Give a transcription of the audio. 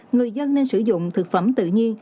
người dân nên sử dụng thực phẩm tự nhiên